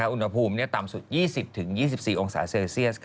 อุณหภูมิต่ำสุด๒๐๒๔องศาเซลเซียส